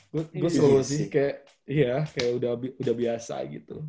gua solusi kayak iya kayak udah biasa gitu